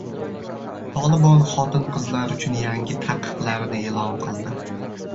Tolibon xotin-qizlar uchun yangi taqiqlarni e’lon qildi